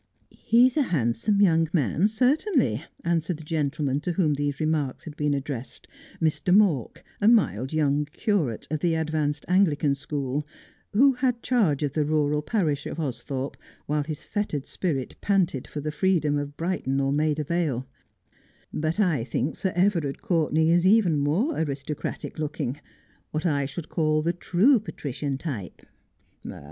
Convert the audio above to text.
' He's a handsome young man, certainly,' answered the gentle man to whom these remarks had been addressed, Mr. Mawk, a mild young curate, of the advanced Anglican school, who had charge of the rural parish of Austhorpe, while his fettered spirit panted for the freedom of Brighton or Maida Yale ;' but I think Sir Everard Courtenay is even more aristocratic looking — what I should call the true patrician type.'